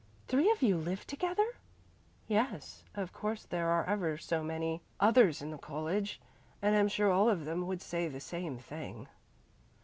"Three of you live together?" "Yes. Of course there are ever so many others in the college, and I'm sure all of them would say the same thing."